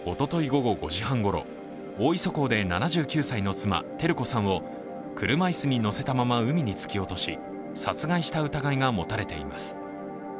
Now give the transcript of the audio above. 午後５時半ごろ、大磯港で７９歳の妻・照子さんを車椅子に乗せたまま海に突き落とし、殺害した疑いが持たれています